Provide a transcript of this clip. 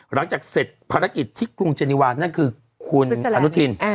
หลังจากเสร็จภารกิจที่กรุงเจนิวานั่นคือคุณอนุทิน